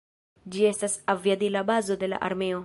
Ĝi estas aviadila bazo de la armeo.